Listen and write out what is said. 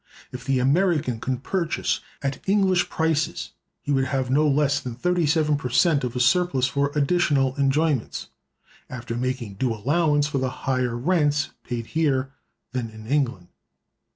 If the American could purchase at English prices, he would have no less than 37 per cent of a surplus for additional enjoyments (after making due allowance for the higher rents paid here than in England).